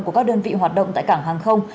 của các đơn vị hoạt động tại cảng hàng không